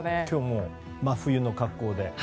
今日、真冬の格好で。